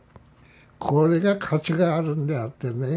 これが価値があるんであってね。